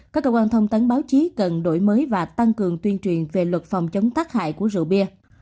các cơ quan thông tấn báo chí cần đổi mới và tăng cường tuyên truyền về luật phòng chống tác hại của rượu bia